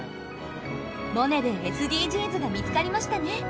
「モネ」でＳＤＧｓが見つかりましたね。